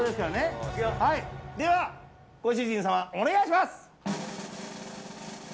では、ご主人様お願いします！